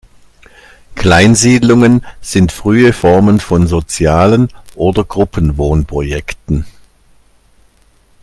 Kleinsiedlungen sind frühe Formen von Sozialen oder Gruppen-Wohnprojekten.